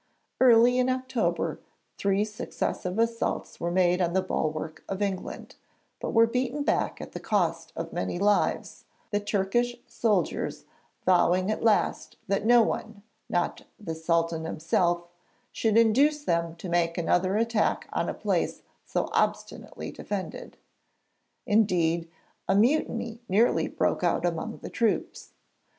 Early in October three successive assaults were made on the bulwark of England, but were beaten back at the cost of many lives, the Turkish soldiers vowing at last that no one, not the Sultan himself, should induce them to make another attack on a place so obstinately defended. Indeed, a mutiny nearly broke out among the troops.